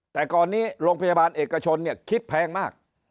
แต่ก่อนนี้โรงพยาบาลเอกชนคิดแพงมาก